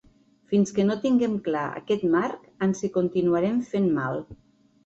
Fins que no tinguem clar aquest marc ens hi continuarem fent mal.